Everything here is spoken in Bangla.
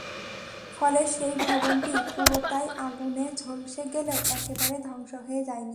ফলে সেই ভবনটি পুরোটাই আগুনে ঝলসে গেলেও একেবারে ধ্বংস হয়ে যায়নি।